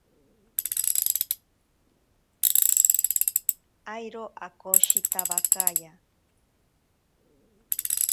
Airo akoshitawakaya.